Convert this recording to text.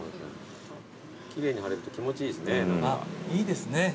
いいですね。